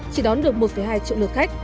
chỉ đón được một hai triệu lượt khách